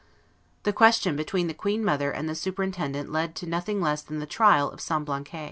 The question between the queen mother and the superintendent led to nothing less than the trial of Semblancay.